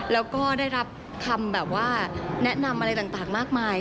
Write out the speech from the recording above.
แล้วก็ได้รับคำแบบว่าแนะนำอะไรต่างมากมาย